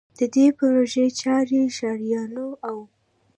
د دې پروژې چارې ښاریانو او